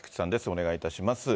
お願いいたします。